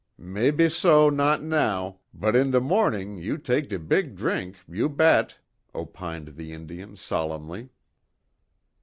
"Mebbe so not now, but in de morning you tak' de beeg drink you bet," opined the Indian solemnly.